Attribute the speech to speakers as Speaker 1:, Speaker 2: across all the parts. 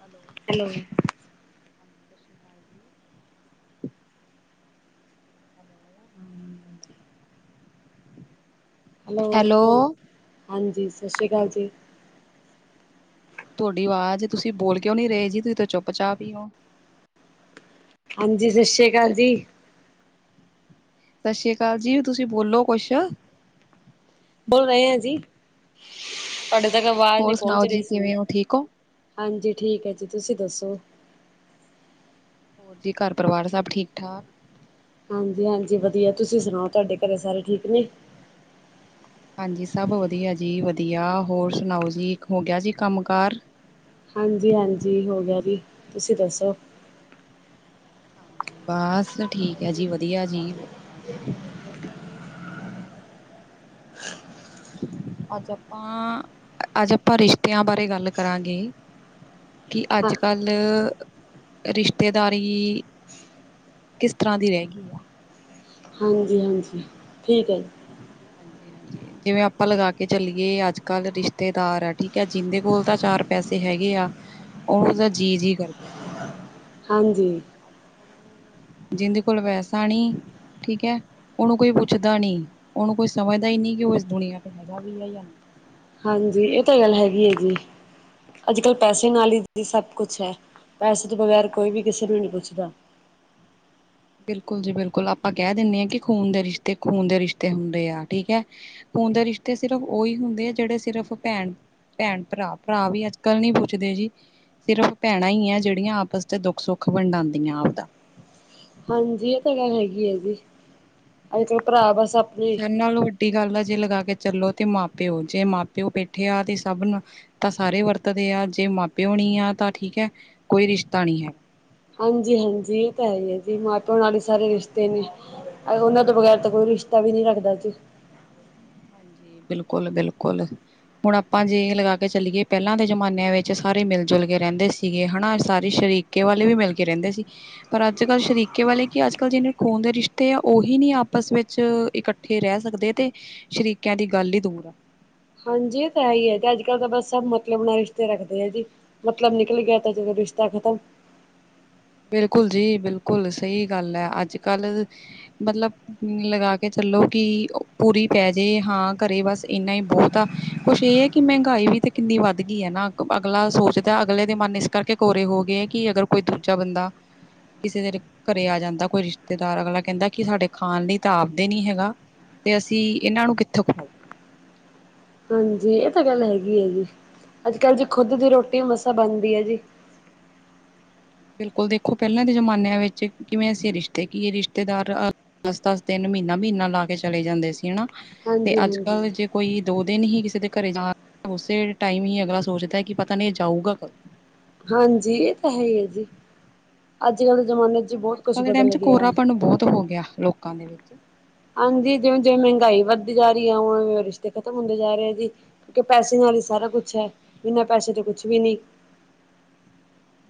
Speaker 1: Hello.
Speaker 2: Hello.
Speaker 1: ਹਾਂਜੀ ਸਸ਼੍ਰੀ ਕਾਲ ਜੀ। ਹੈਲੋ।
Speaker 2: ਹੈਲੋ, ਹਾਂਜੀ ਸਸ਼੍ਰੀ ਕਾਲ ਜੀ।
Speaker 1: ਤੁਔਡੀ ਆਵਾਜ਼ ਤੁਸੀਂ ਬੋਲ ਕਿਉਂ ਨਈਂ ਰਏ ਜੀ ਤੁਸੀਂ ਤਾਂ ਚੁੱਪ-ਚਾਪ ਈ ਓ।
Speaker 2: ਹਾਂਜੀ, ਸਸ਼੍ਰੀ ਕਾਲ ਦੀ।
Speaker 1: ਸਸ਼੍ਰੀਆ ਕਾਲ ਜੀ, ਤੁਸੀਂ ਬੋਲੋ ਕੁਸ਼?
Speaker 2: ਬੋਲ ਰਏ ਆ ਜੀ, ਤੁਆਡੇ ਤੱਕ ਅਵਾਜ਼
Speaker 1: ਹੋਰ
Speaker 2: ਨਈਂ ਪੋਂਚ
Speaker 1: ਸੁਣਾਓ ਜੀ
Speaker 2: ਰਈ ਸੀ।
Speaker 1: ਕਿਵੇਂ ਹੋ ਠੀਕ ਹੋ?
Speaker 2: ਹਾਂਜੀ, ਠੀਕ ਐ ਜੀ ਤੁਸੀਂ ਦੱਸੋ?
Speaker 1: ਹੋਰ ਜੀ ਘਰ ਪਰਿਵਾਰ ਸਬ ਠੀਕ-ਠਾਕ?
Speaker 2: ਹਾਂਜੀ-ਹਾਂਜੀ, ਵਦੀਆ ਤੁਸੀਂ ਸੁਣਾਓ ਤੁਆਡੇ ਘਰੇ ਸਾਰੇ ਠੀਕ ਨੇ?
Speaker 1: ਹਾਂਜੀ, ਸਭ ਵਦੀਆ ਜੀ ਵਦੀਆ, ਹੋਰ ਸੁਣਾਓ ਜੀ ਹੋ ਗਿਆ ਜੀ ਕੰਮ-ਕਾਰ?
Speaker 2: ਹਾਂਜੀ-ਹਾਂਜੀ, ਹੋ ਗਿਆ ਜੀ ਤੁਸੀਂ ਦੱਸੋ?
Speaker 1: ਹਾਂਜੀ, ਬਾਸ ਠੀਕ ਐ ਜੀ ਵਦੀਆ ਜੀ। ਹੋਰ ਸੁਣਾਓ ਜੀ? ਅੱਜ ਆਪਾਂ, ਅੱਜ ਆਪਾਂ ਰਿਸ਼ਤੇਆਂ ਬਾਰੇ ਗੱਲ ਕਰਾਂਗੇ। ਕਿ
Speaker 2: ਹਾਂ
Speaker 1: ਅੱਜ-ਕੱਲ ਰਿਸ਼ਤੇਦਾਰੀ ਕਿਸ ਤਰਾਂ ਦੀ ਰੈਅ ਗੀ ਆ।
Speaker 2: ਹਾਂਜੀ ਹਾਂਜੀ, ਠੀਕ ਐ ਜੀ।
Speaker 1: ਹਾਂਜੀ-ਹਾਂਜੀ। ਜਿਵੇਂ ਆਪਾਂ ਲਗਾ ਕੇ ਚੱਲੀਏ, ਅੱਜ ਕੱਲ ਰਿਸ਼ਤੇਦਾਰ ਆ ਠੀਕ ਐ ਜਿੰਦੇ ਕੋਲ ਤਾਂ ਚਾਰ ਪੈਸੇ ਹੈਗੇ ਆ। ਓਨੂੰ ਤਾਂ ਜੀ-ਜੀ ਕਰਦੇ ਆ।
Speaker 2: ਹਾਂਜੀ।
Speaker 1: ਅੱਜ-ਕੱਲ ਜਿੰਦੇ ਕੋਲ ਪੈਸਾ ਨੀ ਠੀਕ ਐ, ਓਨੂੰ ਕੋਈ ਪੁੱਛਦਾ ਨੀ, ਓਨੂੰ ਕੋਈ ਸਮਝਦਾ ਈ ਨੀ ਕਿ ਓ ਇਸ ਦੁਨੀਆਂ ਤੇ ਹੈਗਾ ਵੀ ਏ ਯਾ ਨਈਂ।
Speaker 2: ਹਾਂਜੀ, ਏਹ ਤਾਂ ਗੱਲ ਹੈਗੀ ਐ ਜੀ। ਅੱਜ-ਕੱਲ ਪੈਸੇ ਨਾਲ ਈ ਦੀਦੀ ਸਬ ਕੁਛ ਐ, ਪੈਸੇ ਤੋਂ ਬਗੈਰ ਕੋਈ ਵੀ ਕਿਸੇ ਨੂੰ ਨੀ ਪੁੱਛਦਾ।
Speaker 1: ਬਿਲਕੁਲ ਜੀ ਬਿਲਕੁਲ ਆਪਾ ਕੈਅ ਦਿੰਨੇ ਆ ਕਿ ਖੂਨ ਦੇ ਰਿਸ਼ਤੇ ਖੂਨ ਦੇ ਰਿਸ਼ਤੇ ਹੁੰਦੇ ਐ ਠੀਕ ਐ। ਖੂਨ ਦੇ ਰਿਸ਼ਤੇ ਸਿਰਫ ਓਈ ਹੁੰਦੇ ਐ ਜੇੜੇ ਸਿਰਫ ਭੈਣ ਭੈਣ-ਭਰਾ, ਭਰਾ ਵੀ ਅੱਜ ਕੱਲ ਨੀ ਪੁੱਛਦੇ ਜੀ। ਸਿਰਫ ਭੈਣਾਂ ਈ ਆ ਜੇੜੀਆਂ ਆਪਸ ਚ ਦੁੱਖ-ਸੁੱਖ ਵੰਡਾਂਦੀਆਂ ਆਵਦਾ।
Speaker 2: ਹਾਂਜੀ, ਏਹ ਤੇ ਗੱਲ ਹੈਗੀ ਐ ਜੀ, ਅੱਜ ਕੱਲ ਭਰਾ ਬਸ ਅਪ
Speaker 1: ਸਬ ਨਾਲੋਂ ਵੱਡੀ ਗੱਲ ਆ ਜੇ ਲਗਾ ਕੇ ਚੱਲੋ ਤੇ ਮਾਂ ਪਿਓ, ਜੇ ਮਾਂ ਪਿਓ ਬੈਠੇ ਆ ਤੇ ਸਬ ਨਾ ਤਾ ਸਾਰੇ ਵਰਤਦੇ ਆ ਜੇ ਮਾ ਪਓ ਨਹੀ ਆ ਤਾਂ ਠੀਕ ਹੈ, ਕੋਈ ਰਿਸ਼ਤਾ ਨੀ ਹੈ
Speaker 2: ਹਾਂਜੀ, ਹਾਂਜੀ ਇਹ ਤਾਂ ਹੈ ਹੀ ਹੈ ਜੀ ਮਾਂ ਪਿਓ ਨਾਲੇ ਈ ਸਾਰੇ ਰਿਸ਼ਤੇ ਨੇ ਅ ਓਨਾ ਤੋਂ ਬਗੈਰ ਤਾਂ ਕੋਈ ਰਿਸ਼ਤਾ ਵੀ ਨੀ ਰੱਖਦਾ
Speaker 1: ਹਾਂਜੀ ਬਿਲਕੁਲ-ਬਿਲਕੁਲ ਹੁਣ ਆਪਾਂ ਜੇ ਇ ਲਗਾ ਕੇ ਚੱਲਿਏ, ਪਹਿਲਾਂ ਦੇ ਜ਼ਮਾਨਿਆਂ ਵਿੱਚ ਸਾਰੇ ਮਿਲ ਜੁਲ ਕੇ ਰਹਿੰਦੇ ਸੀਗੇ ਹਨਾ ਸਾਰੇ ਸ਼ਰੀਕ ਕੇ ਵਾਲੇ ਵੀ ਮਿਲ ਕੇ ਰਹਿੰਦੇ ਸੀ ਪਰ ਅੱਜ ਕੱਲ੍ਹ ਸ਼ਰੀਕੇ ਵਾਲੇ ਕੀ ਅੱਜ ਕੱਲ ਜਿਹਨੇ ਖੂਨ ਦੇ ਰਿਸ਼ਤੇ ਆ ਉਹੀ ਨੀ ਆਪਸ ਵਿੱਚ ਇਕੱਠ ਠੇ ਰਹਿ ਸਕਦੇ ਤੇ, ਸ਼ਰੀਕਿਆਂ ਦੀ ਗੱਲ ਈ ਦੂਰ ਆ
Speaker 2: ਹਾਂਜੀ, ਏ ਤਾ ਹੈ ਈ ਏ ਤੇ ਅੱਜ ਕੱਲ੍ਹ ਤਾਂ ਬਸ ਸਭ ਮਤਲਬ ਨਾ ਰਿਸ਼ਤੇ ਰੱਖਦੇ ਆ ਜੀ ਮਤਲਬ ਨਿਕਲ ਗਿਆ ਤਾਂ ਜਦੋਂ ਰਿਸ਼ਤਾ ਖ਼ਤਮ
Speaker 1: ਬਿਲਕੁਲ ਜੀ ਬਿਲਕੁਲ ਸਹੀ ਗੱਲ ਏ, ਅੱਜ ਕੱਲ ਮਤਲਬ ਲਗਾ ਕੇ ਚੱਲੋ ਕਿ, ਪੂਰੀ ਪੈ ਜੇ ਹਾਂ ਘਰੇ ਬਸ ਇੰਨਾ ਹੀ ਬਹੋਤ ਆ ਕੁੱਛ ਇਹ ਏ ਕਿ ਮਹਿੰਗਾਈ ਵੀ ਤੇ ਕਿੰਨੀ ਵੱਧ ਗਈ ਐ ਨਾ ਅਗਲਾ ਸੋਚਦਾ ਅਗਲੇ ਦੇ ਮਨ ਕਰਕੇ ਕੋਰੇ ਹੋ ਗਏ ਕਿ ਅਗਰ ਕੋਈ ਦੂਜਾ ਬੰਦਾ ਕਿਸੇ ਦੇ ਘਰੇ ਆ ਜਾਂਦਾ ਕੋਈ ਰਿਸ਼ਤੇਦਾਰ, ਅਗਲਾ ਕਹਿੰਦਾ ਕਿ ਸਾਡੇ ਖਾਣ ਲਈ ਤਾਂ ਆਪਦੇ ਨੀ ਹੈਗਾ ਤੇ ਅਸੀ ਇਨਾਂ ਨੂੰ ਕਿੱਥੋਂ
Speaker 2: ਹਾਂਜੀ, ਇਹ ਤਾਂ ਗੱਲ ਹੈਗੀ ਏ, ਜੀ ਅੱਜ ਕੱਲ ਜੀ ਖੁਦ ਦੀ ਰੋਟੀ ਮਸਾਂ ਬਣਦੀ ਏ ਜੀ
Speaker 1: ਬਿਲਕੁਲ, ਦੇਖੋ ਪਹਿਲਾਂ ਦੇ ਜ਼ਮਾਨਿਆਂ ਵਿੱਚ ਕਿਵੇਂ ਸੀ ਰਿਸ਼ਤੇ ਕੀ ਇਹ ਰਿਸ਼ਤੇਦਾਰ ਦਸ ਦਸ ਤਿੰਨ ਮਹੀਨਾ-ਮਹੀਨਾ ਲਾ ਕੇ ਚਲੇ ਜਾਂਦੇ ਸੀ ਨਾ, ਤੇ ਅੱਜ
Speaker 2: ਹਾਂਜੀ-ਹਾਂਜੀ।
Speaker 1: ਕੱਲ ਜੇ ਕੋਈ ਦੋ ਦਿਨ ਹੀ ਕਿਸੇ ਦੇ ਘਰੇ ਜਾ ਉਸੇ ਟਾਈਮ ਹੀ ਅਗਲਾ ਸੋਚਦਾ ਕਿ ਪਤਾ ਨਹੀਂ ਏ ਜਾਊਗਾ ਕਦੋਂ
Speaker 2: ਹਾਂਜੀ, ਇਹ ਤਾਂ ਹੈ ਏ ਜੀ ਅੱਜ-ਕੱਲ ਦੇ ਜਮਾਨੇ
Speaker 1: ਹੁਣ ਅੱਜ ਕੱਲ੍ਹ ਦੇ ਟਾਈਮ ਚ ਕੋਰਾਪਣ ਬਹੁਤ ਹੋ ਗਿਆ ਲੋਕਾਂ ਦੇ ਵਿੱਚ
Speaker 2: ਹਾਂਜੀ, ਜਿਵੇਂ-ਜਿਵੇਂ ਮਹਿੰਗਾਈ ਵੱਧਦੀ ਜਾ ਰਹੀ ਏ, ਓਵੇਂ ਓਵੈ ਰਿਸ਼ਤੇ ਖ਼ਤਮ ਹੁੰਦੇ ਜਾ ਰੇ ਜੀ ਕਿ ਪੈਸੇ ਨਾਲ ਹੀ ਸਾਰਾ ਕੁਛ ਹੈ, ਬਿਨਾਂ ਪੈਸੇ ਤਾਂ ਕੁਛ ਵੀ ਨੀ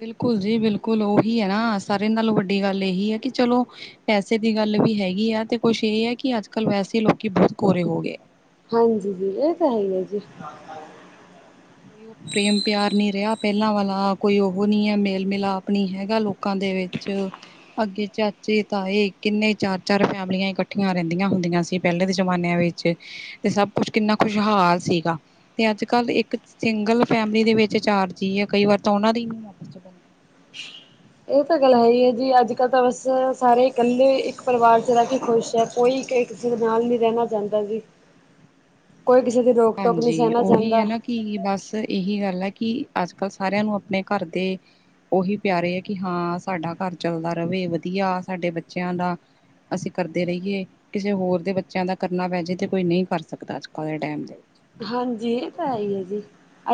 Speaker 1: ਬਿਲਕੁਲ ਜੀ, ਬਿਲਕੁਲ ਓਹੀ ਹੈ ਨਾ ਸਾਰਿਆਂ ਨਾਲੋਂ ਵੱਡੀ ਗੱਲ ਇਹੀ ਹੈ ਕਿ ਚਲੋ ਪੈਸੇ ਦੀ ਗੱਲ ਵੀ ਹੈਗੀ ਆ, ਤੇ ਕੁੱਛ ਇਹ ਹੈ ਕਿ ਅੱਜ ਕੱਲ ਵੈਸੇ ਲੋਕੀ ਬਹੁਤ ਕੋਰੇ ਹੋ ਗਏ
Speaker 2: ਹਾਂਜੀ, ਜੀ ਇਹ ਤਾਂ ਹੈ ਈ ਏ ਜੀ
Speaker 1: [unintelligible] ਪ੍ਰੇਮ ਪਿਆਰ ਨੀ ਰਿਹਾ ਪਹਿਲਾਂ ਵਾਲਾ ਕੋਈ ਉਹ ਨਹੀ ਹੈ, ਮੇਲ ਮਿਲਾਪ ਨਹੀਂ ਹੈਗਾ ਲੋਕਾਂ ਦੇ ਵਿੱਚ ਅੱਗੇ ਚਾਚੇ, ਤਾਏ ਕਿੰਨੇ ਚਾਰ-ਚਾਰ ਫੈਮਲੀਆਂ ਇਕੱਠੀਆਂ ਰਹਿੰਦੀਆਂ ਹੁੰਦੀਆਂ ਸੀ ਪਹਿਲੇ ਦੇ ਜਮਾਨਿਆਂ ਵਿੱਚ ਤੇ ਸਭ ਕੁਛ ਕਿੰਨਾ ਖੁਸ਼ਹਾਲ ਸੀਗਾ, ਤੇ ਅੱਜ ਕੱਲ ਇੱਕ ਸਿੰਗਲ ਫੈਮਿਲੀ ਦੇ ਵਿੱਚ ਚਾਰ ਜੀ ਏ ਕਈ ਵਾਰ ਤਾਂ ਉਹਨਾਂ ਦੀ ਹੀ ਆਪਸ ਚ
Speaker 2: ਇਹ ਤਾਂ ਗੱਲ ਹੈ ਈ ਏ ਜੀ। ਅੱਜ ਕੱਲ੍ਹ ਤਾਂ ਬਸ ਸਾਰੇ ਇਕੱਲੇ ਇੱਕ ਪਰਿਵਾਰ ਚ ਰਹਿ ਕੇ ਖੁਸ਼ ਹੈ ਕੋਈ ਕਿਸੇ ਦੇ ਨਾਲ ਨੀ ਰਹਿਣਾ ਚਾਹਦਾ ਜੀ
Speaker 1: [inaudible]
Speaker 2: ਕੋਈ ਕਿਸੇ ਦੀ ਰੋਕ-ਟੋਕ ਨਹੀਂ ਸਹਨਾ ਚਾਹੰਦਾ
Speaker 1: ਕੀ ਬਸ ਇਹੀ ਗੱਲ ਹੈ, ਕਿ ਅੱਜ ਕੱਲ੍ਹ ਸਾਰਿਆਂ ਨੂੰ ਆਪਣੇ ਘਰ ਦੇ ਉਹੀ ਪਿਆਰੇ ਹੈ ਕਿ, ਹਾਂ ਸਾਡਾ ਘਰ ਚੱਲਦਾ ਰਵੇ ਵਧੀਆ ਸਾਡੇ ਬੱਚਿਆਂ ਦਾ ਅਸੀ ਕਰਦੇ ਰੲਏ ਕਿਸੇ ਹੋਰ ਦੇ ਬੱਚਿਆਂ ਦਾ ਕਰਨਾ ਪੈ ਜੇ ਤੇ ਕੋਈ ਨਹੀ ਕਰ ਸਕਦਾ ਅੱਜ ਕੱਲ੍ਹ ਦੇ ਟਾਈਮ ਤੇ
Speaker 2: ਹਾਜੀ ਇਹ ਤੇ ਹੈ ਈ ਏ ਜੀ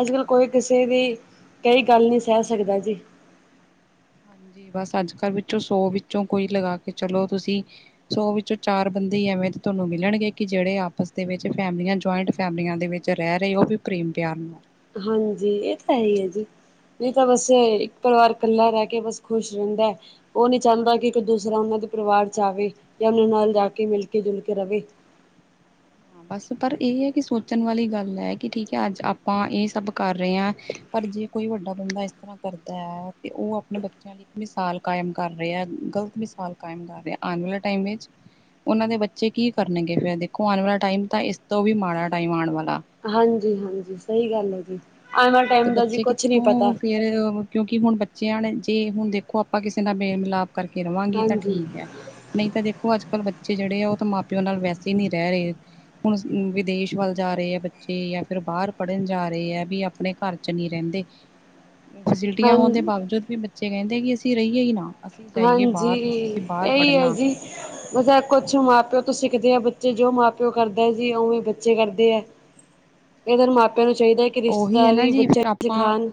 Speaker 2: ਅੱਜ ਕੱਲ ਕੋਈ ਕਿਸੇ ਦੀ ਕਹੀ ਗੱਲ ਨਈ ਸਹਿ ਸਕਦਾ ਜੀ
Speaker 1: ਹਨਜੀ ਬਸ ਅੱਜ ਕੱਲ੍ਹ ਵਿੱਚੋਂ ਸੌ ਵਿੱਚੋਂ ਕੋਈ ਲਗਾ ਕੇ ਚਲੋ ਤੁਸੀਂ ਸੋ ਵਿੱਚੋਂ ਚਾਰ ਬੰਦੇ ਈ ਐਵੇਂ ਤੁਹਾਨੂੰ ਮਿਲਣਗੇ ਕਿ ਜਿਹੜੇ ਆਪਸ ਦੇ ਵਿੱਚ ਫੈਮਲੀਆ ਜੁਆਇੰਟ ਫੈਮਲੀਆਂ ਦੇ ਵਿੱਚ [unintelligible] ਉਹ ਵੀ ਪ੍ਰੇਮ ਪਿਆਰ ਨਾਲ।
Speaker 2: ਹਾਂਜੀ ਇਹ ਤਾਂ ਹੈ ਹੀ ਹੈ ਜੀ। ਨਈ ਤਾਂ ਬਸ ਇੱਕ ਪਰਿਵਾਰ ਇਕੱਲਾ ਰਹਿ ਕੇ ਬਸ ਖੁਸ਼ ਰਹਿੰਦਾ। ਉਹ ਨਹੀਂ ਚਾਂਦਾ ਕਿ ਇੱਕ ਦੂਸਰਾ ਉਹਨਾਂ ਦੇ ਪਰਿਵਾਰ ਚ ਆਵੇ ਜਾਂ ਉਹਨਾਂ ਨਾਲ ਜਾ ਕੇ ਮਿਲ ਕੇ ਜੁਲ ਕੇ ਰਹੇ।
Speaker 1: ਹਾਂ ਬਸ, ਪਰ ਇਹ ਹੈ ਕਿ ਸੋਚਣ ਵਾਲੀ ਗੱਲ ਹੈ ਕਿ ਠੀਕ ਹੈ ਅੱਜ ਆਪਾਂ ਇਹ ਸਭ ਕਰ ਰਹੇ ਹਾਂ ਪਰ ਜੇ ਕੋਈ ਵੱਡਾ ਬੰਦਾ ਇਸ ਤਰ੍ਹਾਂ ਕਰਦਾ ਹੈ ਤੇ ਉਹ ਆਪਣੇ ਬੱਚਿਆਂ ਮਿਸਾਲ ਕਾਇਮ ਕਰ ਰਿਹਾ। ਗਲਤ ਮਿਸਾਲ ਕਾਇਮ ਕਰ ਰਿਹਾ। ਆਉਣ ਵਾਲੇ ਟਾਈਮ ਵਿੱਚ ਉਹਨਾਂ ਦੇ ਬੱਚੇ ਕੀ ਕਰਨਗੇ ਫੇਰ? ਦੇਖੋ ਆਉਣ ਵਾਲਾ ਟਾਈਮ ਤਾਂ ਇਸ ਤੋਂ ਵੀ ਮਾੜਾ ਟਾਈਮ ਆਉਣ ਵਾਲਾ।
Speaker 2: ਹਾਂਜੀ, ਹਾਂਜੀ ਸਹੀ ਗੱਲ ਹੈ ਜੀ। ਆਉਣ ਵਾਲੇ
Speaker 1: ਤੇ
Speaker 2: ਟਾਈਮ ਦਾ ਜੀ
Speaker 1: ਬੱਚੇ
Speaker 2: ਕੁਛ ਨਹੀਂ ਪਤਾ
Speaker 1: ਕਿੱਥੋਂ ਫੇਰ ਕਿਉਂਕਿ ਹੁਣ ਬੱਚਿਆਂ ਨੇ, ਜੇ ਹੁਣ ਦੇਖੋ ਆਪਾਂ ਕਿਸੇ ਨਾਲ ਮੇਲ ਮਿਲਾਪ ਕਰਕੇ ਰਵਾਂਗੇ ਤਾਂ
Speaker 2: ਹਾਂਜੀ
Speaker 1: ਠੀਕ ਹੈ। ਨਹੀਂ ਤਾਂ, ਦੇਖੋ ਅੱਜ ਕੱਲ੍ਹ ਬੱਚੇ ਜਿਹੜੇ ਆ ਉਹ ਤਾਂ ਮਾਂ ਪਿਓ ਨਾਲ ਵੈਸੇ ਹੀ ਨਹੀਂ ਰਹਿ ਰਹੇ। ਹੁਣ ਵਿਦੇਸ਼ ਵੱਲ ਜਾ ਰਹੇ ਹੈ ਬੱਚੇ, ਯਾ ਫਿਰ ਬਾਹਰ ਪੜ੍ਹਨ ਜਾ ਰਹੇ ਹੈ ਵੀ ਆਪਣੇ ਘਰ ਚ ਨਹੀਂ ਰਹਿੰਦੇ। ਫੈਸਿਲਿਟੀਆਂ
Speaker 2: ਹਾਂ
Speaker 1: ਹੋਣ ਦੇ ਬਾਵਜੂਦ ਵੀ ਬੱਚੇ ਕਹਿੰਦੇ ਕਿ ਅਸੀਂ ਰਹੀਏ ਹੀ ਨਾ। ਅਸੀਂ ਜਾਈਏ
Speaker 2: ਹਾਂਜੀ
Speaker 1: ਬਾਹਰ, ਅਸੀਂ ਬਾਹਰ ਪੜ੍ਹਨਾ।
Speaker 2: ਬੱਸ ਇਹ ਕੁਛ ਮਾਂ ਪਿਓ ਤੋਂ ਸਿੱਖਦੇ ਆ ਬੱਚੇ, ਜੋ ਮਾਂ ਪਿਓ ਕਰਦਾ ਜੀ ਉਵੇਂ ਬੱਚੇ ਕਰਦੇ ਆ। ਇਹ ਤਾ ਮਾਪਿਆਂ ਨੂੰ ਚਾਹੀਦਾ ਕਿ
Speaker 1: ਉਹੀ ਹੈ ਨਾ
Speaker 2: ਰਿਸ਼ਤੇਦਾਰੀ
Speaker 1: ਜੀ
Speaker 2: ਬੱਚਿਆਂ
Speaker 1: ਫੇਰ
Speaker 2: ਨੂੰ
Speaker 1: ਆਪਾਂ
Speaker 2: ਸੀਖਾਂਣ।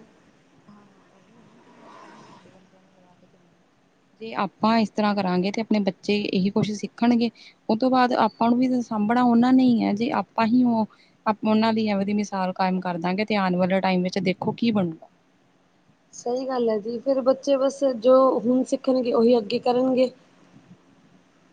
Speaker 1: [unintelligible] ਜੇ ਆਪਾਂ ਇਸ ਤਰ੍ਹਾਂ ਕਰਾਂਗੇ ਤੇ ਅਪਣੇ ਬੱਚੇ ਇਹੀ ਕੁਛ ਸਿੱਖਣਗੇ। ਉਹ ਤੋਂ ਬਾਅਦ, ਆਪਾਂ ਨੂੰ ਵੀ ਸਾਂਭਣਾ ਉਹਨਾਂ ਨੇ ਹੀ ਹੈ ਜੇ ਆਪਾਂ ਹੀ ਉਹ ਉਹਨਾਂ ਦੀ ਐਵੇ ਦੀ ਮਿਸਾਲ ਕਾਇਮ ਕਰਦਾ ਹੈ ਤੇ ਆਉਣ ਵਾਲੇ ਟਾਈਮ ਵਿੱਚ ਦੇਖੋ ਕੀ ਬਨੂੰ।
Speaker 2: ਸਹੀ ਗੱਲ ਹੈ ਜੀ। ਫਿਰ ਬੱਚੇ ਬਸ ਜੋ ਹੁਣ ਸਿੱਖਣਗੇ ਉਹੀ ਅੱਗੇ ਕਰਨਗੇ।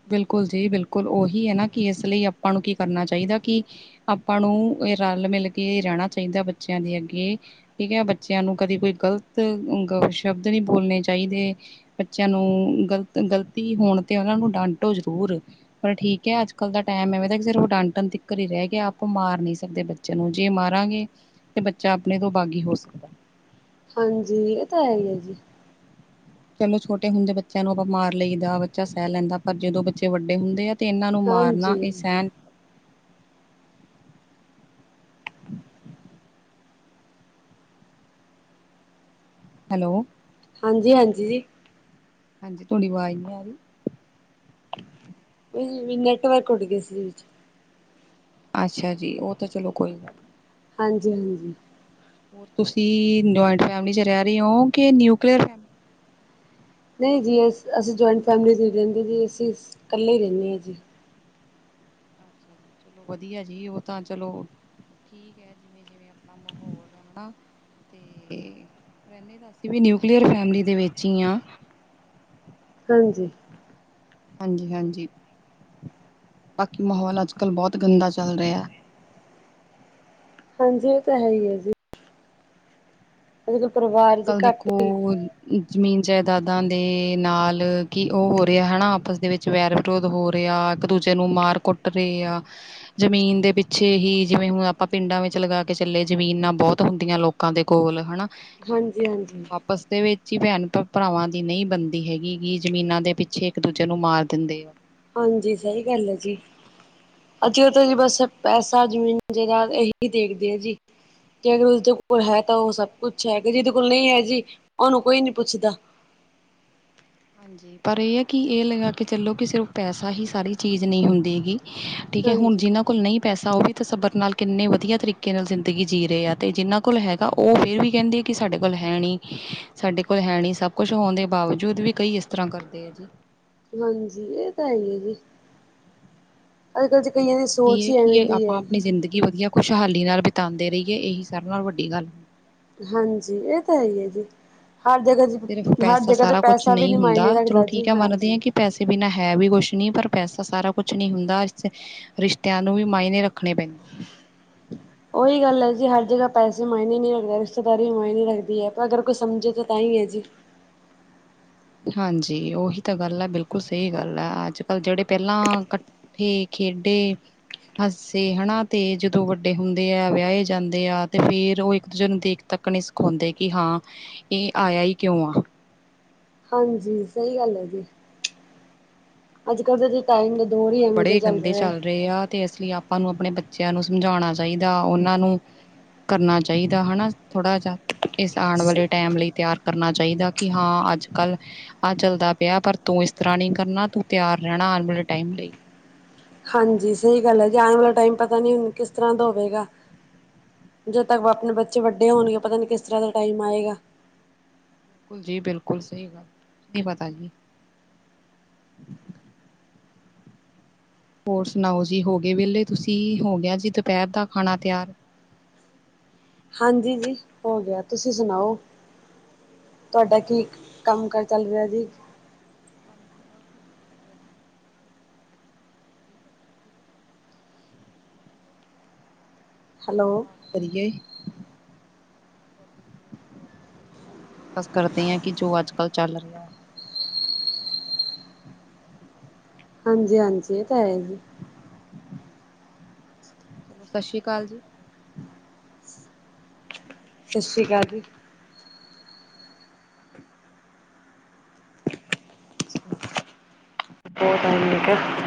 Speaker 1: ਬਿਲਕੁਲ ਜੀ ਬਿਲਕੁਲ। ਉਹੀ ਹੈ ਨਾ ਕਿ ਇਸ ਲਈ ਆਪਾਂ ਨੂੰ ਕੀ ਕਰਨਾ ਚਾਹੀਦਾ ਕਿ ਆਪਾਂ ਨੂੰ ਇਹ ਰਲ ਮਿਲ ਕੇ ਰਹਿਣਾਂ ਚਾਹੀਦਾ ਬੱਚਿਆਂ ਦੇ ਅੱਗੇ। ਠੀਕ ਹੈ, ਬੱਚਿਆਂ ਨੂੰ ਕਦੇ ਕੋਈ ਗ਼ਲਤ ਸ਼ਬਦ ਨਹੀਂ ਬੋਲਣੇ ਚਾਹੀਦੇ ਬੱਚਿਆਂ ਨੂੰ ਗ਼ਲਤੀ ਹੋਣ ਤੇ ਉਹਨਾਂ ਨੂੰ ਡਾਂਟੋ ਜ਼ਰੂਰ। ਪਰ ਠੀਕ ਹੈ, ਅੱਜ ਕੱਲ੍ਹ ਦਾ ਟਾਈਮ ਐਵੇਂ ਦਾ ਸਿਰਫ ਉਹ ਡਾਂਟਣ ਤਕਰ ਹੀ ਰਹਿ ਗਿਆ ਆਪਾਂ ਮਾਰ ਨਹੀਂ ਸਕਦੇ ਬੱਚੇ ਬੱਚਿਆਂ ਨੂੰ। ਜੇ ਮਾਰਾਂਗੇ ਤੇ ਬੱਚਾ ਆਪਣੇ ਤੋਂ ਬਾਗੀ ਹੋ ਸਕਦਾ।
Speaker 2: ਹਾਂ, ਜੀ। ਇਹ ਤਾਂ ਹੈ ਹੀ ਜੀ।
Speaker 1: ਚਲੋ ਛੋਟੇ ਹੁੰਦੇ ਬੱਚਿਆਂ ਨੂੰ ਆਪਾਂ ਮਾਰ ਲਈ ਦਾ ਬੱਚਾ ਸਹਿ ਲੈਂਦਾ ਪਰ ਜਦੋਂ ਬੱਚੇ ਵੱਡੇ ਹੁੰਦੇ ਆ ਤੇ ਇਹਨਾਂ ਨੂੰ ਮਾਰਨਾ
Speaker 2: ਹਾਂਜੀ
Speaker 1: ਇਹ ਸਹਿਣ ਹੈਲੋ
Speaker 2: ਹਾਂਜੀ, ਹਾਂਜੀ ਜੀ
Speaker 1: ਤੁਥੋੜ੍ਹੀ ਆਵਾਜ਼ ਨੀ ਆ ਰਹੀ।
Speaker 2: ਇ ਮੀ ਨੈਟਵਰਕ ਉੱਡ ਗਏ ਸੀ ਵਿੱਚ।
Speaker 1: ਅੱਛਾ ਜੀ, ਉਹ ਤਾਂ ਚਲੋ ਕੋਈ
Speaker 2: ਹਾਂਜੀ ਹਾਂਜੀ।
Speaker 1: ਤੁਸੀਂ-----ਜੁਆਇੰਟ ਫੈਮਿਲੀ ਚ ਰਹਿ ਰਹੇ ਓ, ਕਿ ਨਿਊਕਲੀਅਰ?
Speaker 2: ਨਹੀਂ ਜੀ, ਅਸ ਅਸੀਂ ਜੁਆਇੰਟ ਫੈਮਿਲੀ ਚ ਨ ਰਹਿੰਦੇ ਜੀ, ਅਸੀਂ ਕੱਲੇ ਹੀ ਰਹਿੰਦੇ ਹਾਂ ਜੀ।
Speaker 1: ਅੱਛਾ ਜੀ, ਚਲੋ ਵਧੀਆ ਜੀ, ਉਹ ਤਾਂ ਚਲੋ ਠੀਕ ਹੈ, ਜਿਵੇਂ ਜਿਵੇਂ ਆਪਾਂ ਮਾਹੌਲ ਏਨਾ। ਤੇ ਰਹਿੰਦੇ ਤਾਂ ਅਸੀਂ ਵੀ ਨਿਊਕਲੀਅਰ ਫੈਮਿਲੀ ਦੇ ਵਿੱਚ ਹੀ ਆ।
Speaker 2: ਹਾਂਜੀ।
Speaker 1: ਹਾਂਜੀ, ਹਾਂਜੀ, ਬਾਕੀ ਮਾਹੌਲ ਅੱਜ-ਕੱਲ ਬਹੁਤ ਗੰਦਾ ਚੱਲ ਰਿਹਾ।
Speaker 2: ਹਾਂਜੀ, ਉਹ ਤਾਂ ਹੈ ਹੀ ਹੈ ਜੀ। ਹਜੇ ਤੇ ਪਰਵਾਹ
Speaker 1: ਕੱਲ੍ਹ ਦੇਖੋ ਜ਼ਮੀਨ ਜਾਇਦਾਦਾਂ ਦੇ ਨਾਲ ਕੀ ਉਹ ਹੋ ਰਿਹਾ, ਹੈਨਾ ਆਪਸ ਦੇ ਵਿੱਚ। ਵੈਰ ਵਿਰੋਧ ਹੋ ਰੇ ਆ, ਇੱਕ ਦੂਜੇ ਨੂੰ ਮਾਰ ਕੁੱਟ ਰਹੇ ਆ। ਜ਼ਮੀਨ ਦੇ ਪਿੱਛੇ ਹੀ, ਜਿਵੇਂ ਹੁਣ ਆਪਾਂ ਪਿੰਡਾਂ ਵਿੱਚ ਲਗਾ ਕੇ ਚੱਲੇ, ਜ਼ਮੀਨਾਂ ਬਹੁਤ ਹੁੰਦੀਆਂ ਲੋਕ ਕਾਂ ਦੇ ਕੋਲ, ਹਨਾ?
Speaker 2: ਹਾਂਜੀ-ਹਾਂਜੀ।
Speaker 1: ਬਸਦੇ ਵਿੱਚ ਹੀ ਭੈਣ ਭ ਭਰਾਵਾਂ ਦੀ ਨਹੀਂ ਬਣਦੀ ਹੈਗੀ ਨੀ, ਜ਼ਮੀਨਾਂ ਦੇ ਪਿੱਛੇ ਇੱਕ ਦੂਜੇ ਨੂੰ ਮਾਰ ਦਿੰਦੇ ਆ
Speaker 2: ਹਾਂਜੀ, ਸਹੀ ਗੱਲ ਐ ਜੀ। ਅਜ ਜੀ ਬਸ ਪੈਸਾ, ਜਮੀਨ, ਜਦਾਦ, ਇਹੀ ਦੇਖਦੇ ਆ ਜੀ। ਜਿਹਦੇ ਕੋਲ ਹੈਗਾ, ਤਾਂ ਉਹ ਸਭ
Speaker 1: ਹਾਂਜੀ
Speaker 2: ਕੁਛ ਹੈਗਾ, ਜਿਹਦੇ ਕੋਲ ਨਹੀਂ ਹੈ ਜੀ, ਉਹਨੂੰ ਕੋਈ ਨੀ ਪੁੱਛਦਾ।
Speaker 1: ਹਾਂਜੀ, ਪਰ ਇਹ ਹੈ ਕਿ, ਇਹ ਲਗਾ ਕੇ ਚਲੋ ਕਿ ਸਿਰਫ਼ ਪੈਸਾ ਹੀ ਸਾਰੀ ਚੀਜ਼ ਨਹੀਂ ਹੁੰਦੀ ਗੀ ਠੀਕ ਹੈ? ਹੁਣ
Speaker 2: ਹਾਂਜੀ
Speaker 1: ਜਿਨਾਂ ਕੋਲ ਨਹੀਂ ਪੈਸਾ ਉਹ ਵੀ ਤ ਸਬਰ ਨਾਲ ਕਿੰਨੇ ਵਧੀਆ ਤਰੀਕੇ ਨਾਲ ਜ਼ਿੰਦਗੀ ਜੀ ਰਹੇ ਆ, ਤੇ ਜਿਨਾਂ ਕੋਲ ਹੈ ਹਾਂ, ਉਹ ਫੇਰ ਵੀ ਕਹਿੰਦੇ ਹੈ ਕਿ ਸਾਡੇ ਕੋਲ ਹੈ ਨਹੀਂ, ਸਾਡੇ ਕੋਲ ਹੈ ਨ ਸਭ ਕੁਛ ਹੋਣ ਦੇ ਬਾਵਜੂਦ ਵੀ ਕਈ ਇਸ ਤਰ੍ਹਾਂ ਕਰਦੇ ਆ ਜੀ।
Speaker 2: ਹਾਂਜੀ, ਇਹ ਤਾਂ ਹੈ ਹੀ ਹੈ ਜੀ। ਅੱਜ- ਕਲ ਚ ਕਈਆਂ ਦੀ
Speaker 1: ਕੀ
Speaker 2: ਸੋਚ
Speaker 1: ਇਹ
Speaker 2: ਹੀ
Speaker 1: ਕਿ
Speaker 2: ਐਵੇਂ
Speaker 1: ਇਹ
Speaker 2: ਦੀ
Speaker 1: ਆਪਾਂ
Speaker 2: ਐ।
Speaker 1: ਆਪਣੀ ਜ਼ਿੰਦਗੀ ਵਧੀਆ ਖੁਸ਼ਹਾਲੀ ਨਾਲ ਬਿਤਾਂਦੇ ਰਹੀਏ, ਇਹੀ ਸਭ ਨਾਲ ਵੱਡੀ ਗੱਲ
Speaker 2: ਹਾਂਜੀ, ਇਹ ਤਾਂ ਹੈ ਹੀ ਹੈ ਜੀ। ਹਰ ਜਗ੍ਹਾ
Speaker 1: ਸਿਰਫ
Speaker 2: ਹਰ
Speaker 1: ਪੈਸਾ
Speaker 2: ਜਗ੍ਹਾ ਤੇ
Speaker 1: ਸਾਰਾ ਕੁਛ
Speaker 2: ਪੈਸਾ ਵੀ
Speaker 1: ਨਹੀਂ
Speaker 2: ਨੀ ਮਾਇਨੇ
Speaker 1: ਹੁੰਦਾ ਚਲੋ
Speaker 2: ਰੱਖਦਾ ਜੀ,
Speaker 1: ਠੀਕ ਹੈ ਮੰਨਦੇ ਹਾਂ
Speaker 2: ਹਾਂਜੀ
Speaker 1: ਕਿ ਪੈਸੇ ਬਿਨਾਂ ਹੈ ਵੀ ਕੁਛ ਨੀ ਪਰ, ਪੈਸਾ ਸਾਰਾ ਕੁਛ ਨੀ ਹੁੰਦਾ, ਅਸ ਤੇ ਰਿਸ਼ਤਿਆਂ ਨੂੰ ਵੀ ਮਾਇਨੇ ਰੱਖਣੇ ਪੈਂ
Speaker 2: ਉਹੀ ਗੱਲ ਹੈ ਜੀ, ਹਰ ਜਗ੍ਹਾ ਪੈਸੇ ਮਾਇਨੇ ਨੀ ਰੱਖਦਾ, ਰਿਸ਼ਤੇਦਾਰੀ ਮਾਇਨੇ ਰੱਖਦੀ ਹੈ, ਪਰ ਅਗਰ ਕੋਈ ਸਮਝੇ ਤਾਂ, ਤਾਂ ਹੀ ਹੈ ਜੀ।
Speaker 1: ਹਾਂਜੀ, ਉਹੀ ਤਾਂ ਗੱਲ ਹੈ, ਬਿਲਕੁਲ ਸਹੀ ਗੱਲ ਏ, ਅੱਜ ਕੱਲ ਜਿਹੜੇ ਪਹਿਲਾਂ ਕ ਥੇ ਖੇਡੇ ਹੱਸੇ ਹਣਾ ਤੇ ਜਦੋਂ ਵੱਡੇ ਹੁੰਦੇ ਆ, ਵਿਆਹੇ ਜਾਂਦੇ ਆ ਤੇ ਫੇਰ ਉਹ ਇੱਕ ਦੂਜੇ ਨੂੰ ਦੇਖ ਤੱਕ ਨਹੀਂ ਸ ਕੋਂਦੇ, ਕਿ ਹਾਂ ਇਹ ਆਇਆ ਹੀ ਕਿਉਂ ਆ
Speaker 2: ਹਾਂਜੀ, ਸਹੀ ਗੱਲ ਹੈ ਜੀ, ਅੱਜ-ਕੱਲ ਤੇ ਜੀ ਟਾਈਮ ਦਾ ਦੌਰ ਹੀ
Speaker 1: ਮਾਹੌਲ
Speaker 2: ਐਵੇਂ
Speaker 1: ਬੜੇ
Speaker 2: ਦਾ ਚੱਲ
Speaker 1: ਗੰਦੇ
Speaker 2: ਰਿਹਾ।
Speaker 1: ਰਹੇ ਆ ਤੇ ਅਸੀ ਆਪਾਂ ਨੂੰ ਆਪਣੇ ਬੱਚਿਆਂ ਨੂੰ ਸਮਝਾਉਣਾ ਚਾਹੀਦਾ, ਉਹਨਾਂ ਨੂੰ ਕਰਨਾ ਚਾਹੀਦਾ ਹਨਾ? ਥੋੜਾ ਜਾ ਇਸ ਆਣ ਵਾਲੇ ਟਾਈਮ ਲਈ ਤਿਆਰ ਕਰਨਾ ਚਾਹੀਦਾ, ਕਿ ਹਾਂ ਅੱਜ ਕੱਲ੍ਹ ਆਹ ਚੱਲਦਾ ਪਿਆ, ਪਰ ਤੂੰ ਇਸ ਤਰ੍ਹਾਂ ਨਹੀਂ ਕਰਨਾ, ਤੂੰ ਤਿਆਰ ਰਹਿਣਾ ਆਉਣ ਵਾਲੇ ਟਾਈਮ ਲਈ।
Speaker 2: ਹਾਂਜੀ, ਸਹੀ ਗੱਲ ਹੈ ਜੀ ਆਉਣ ਵਾਲਾ ਟਾਈਮ ਪਤਾ ਨੀ ਹੁਨ ਕਿਸ ਤਰ੍ਹਾਂ ਦਾ ਹੋਵੇਗਾ ਜਦ ਤੱਕ ਆਪਣੇ ਬੱਚੇ ਵੱਡੇ ਹੋਣਗੇ, ਪਤਾ ਨੀ ਕਿਸ ਤਰ੍ਹਾਂ ਦਾ ਟਾਈਮ ਆਏਗਾ।
Speaker 1: ਕੁਲ ਜੀ ਬਿਲਕੁਲ ਸਹੀ ਗੱਲ, ਕੁਛ ਨੀ ਪਤਾ ਜੀ। ਹੋਰ ਸੁਣਾਓ ਜੀ, ਹੋ ਗਏ ਵਿਹਲੇ ਤੁਸੀਂ, ਹੋ ਗਿਆ ਜੀ ਦੁਪਹਿਰ ਦਾ ਖਾਣਾ ਤਿਆਰ?
Speaker 2: ਹਾਂਜੀ, ਜੀ ਹੋ ਗਿਆ ਤੁਸੀਂ ਸੁਣਾਓ। ਤੁਹਾਡਾ ਕੀ ਕੰਮ ਕਰ ਚੱਲ ਰਿਹਾ ਜੀ?
Speaker 1: ਹਾਂਜੀ, ਬਸ ਠੀਕ ਹੈ ਜੀ। ਕੀ ਬ ਸੀ [unintelligible] ਛ [unintelligible]
Speaker 2: ਹੈਲੋ।
Speaker 1: ਗੱਲ-ਬਾਤ ਕਰੀਏ? ਬਸ ਕਰਦੇ ਈ ਆ ਕਿ ਜੋ ਅੱਜ-ਕੱਲ੍ਹ ਚੱਲ ਰਿਹੈ।
Speaker 2: ਹਾਂਜੀ-ਹਾਂਜੀ ਇਹ ਤਾਂ ਹੈ ਹੀ ਜੀ।
Speaker 1: ਹਾਂਜੀ-ਹਾਂਜੀ। ਸਤਿ ਸ਼੍ਰੀ ਅਕਾਲ ਜੀ।
Speaker 2: ਸਤਿ ਸ਼੍ਰੀ ਅਕਾਲ ਜੀ। ਬਹੁਤਾ [unintelligible]